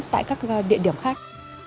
tại các địa điểm khác